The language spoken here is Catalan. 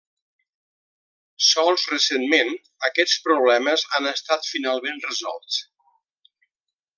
Sols recentment, aquests problemes han estat finalment resolts.